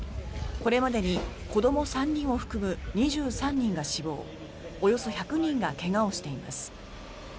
これまでに子ども３人を含む２３人が死亡、およそ１００人が怪我をしています。